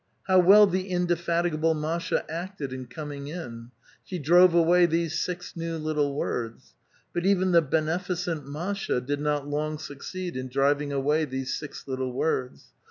How well the indefatigable Masha acted in coming in ! She drove away these six new little words. But even the beneficent Masha did not long succeed in driving away these six little words.